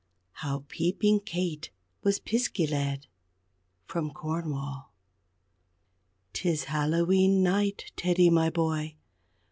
HOW PEEPING KATE WAS PISKEY LED From Cornwall 'Tis Hallowe'en Night, Teddy, my boy.